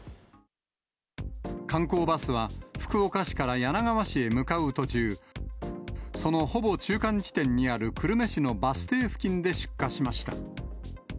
観光バスは、福岡市から柳川市へ向かう途中、そのほぼ中間地点にある、久留米市のバス停付近で出火しました。